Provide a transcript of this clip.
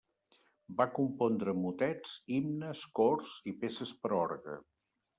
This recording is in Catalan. Va compondre motets, himnes, cors, i peces per a orgue.